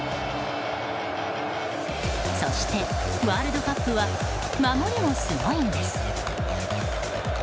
そして、ワールドカップは守りもすごいんです。